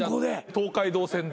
東海道線で。